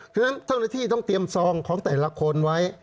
ฉะนั้นเจ้าหน้าที่ต้องเตรียมซองของแต่ละคนไว้